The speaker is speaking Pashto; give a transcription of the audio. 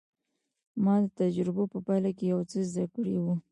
ما د تجربو په پايله کې يو څه زده کړي وو.